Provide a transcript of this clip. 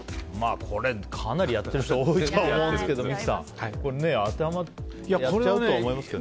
かなりやってる人多いと思うんですけど三木さん、当てはまってやっちゃうとは思いますけど。